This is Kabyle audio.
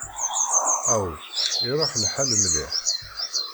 Aw, iṛuḥ lḥal mliḥ!